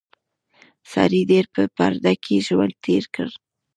سارې ډېر په پرده کې ژوند تېر کړ.